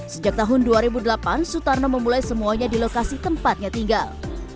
sejak tahun dua ribu delapan sutarno memulai semuanya di lokasi tempatnya tinggal